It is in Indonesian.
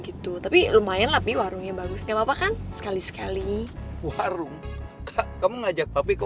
gitu tapi lumayan tapi warung yang bagusnya apa kan sekali sekali warung kamu ngajak papi ke